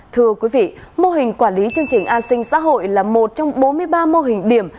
thưa quý vị mô hình quản lý chương trình an sinh xã hội là một trong bốn mươi ba mô hình điểm